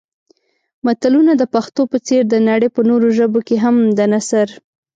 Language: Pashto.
متلونه د پښتو په څېر د نړۍ په نورو ژبو کې هم د نثر